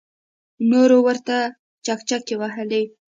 نورو ورته چکچکې وهلې.